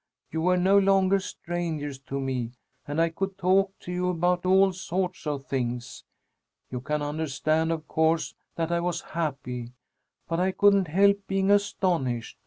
You were no longer strangers to me and I could talk to you about all sorts of things. You can understand, of course, that I was happy, but I couldn't help being astonished.